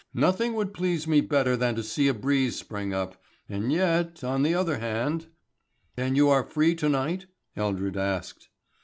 Nothing would please me better than to see a breeze spring up, and yet on the other hand " "Then you are free to night?" Eldred asked.